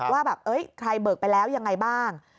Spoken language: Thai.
ว่าแบบใครเบิกไปแล้วยังไงบ้าง